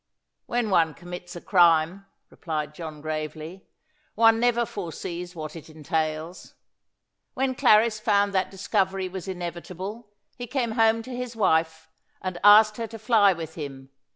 "When one commits a crime," replied John gravely, "one never foresees what it entails. When Clarris found that discovery was inevitable, he came home to his wife and asked her to fly with him.